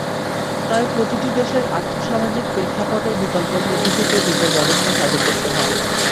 তাই প্রতিটি দেশের আর্থসামাজিক প্রেক্ষাপটে বিকল্প পদ্ধতিতে বিচার ব্যবস্থা চালু করতে হবে।